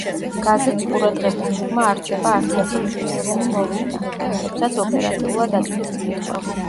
გაზეთს ყურადღების მიღმა არ რჩება არც ერთი მნიშვნელოვანი მოვლენა, რომლებსაც ოპერატიულად აწვდის მკითხველს.